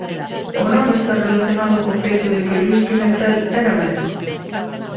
O nome está relacionado co feito de que Luís Pimentel era médico.